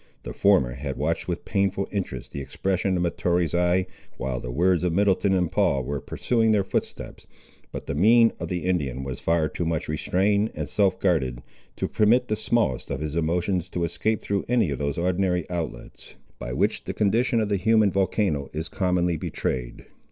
The former had watched with painful interest the expression of Mahtoree's eye, while the words of Middleton and Paul were pursuing their footsteps, but the mien of the Indian was far too much restrained and self guarded, to permit the smallest of his emotions to escape through any of those ordinary outlets, by which the condition of the human volcano is commonly betrayed.